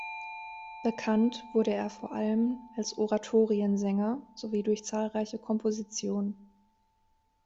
Bekannt wurde er vor allem als Oratoriensänger sowie durch zahlreiche Kompositionen.